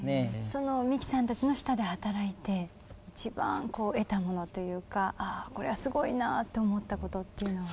その三木さんたちの下で働いて一番得たものというかこれはすごいなと思ったことっていうのは。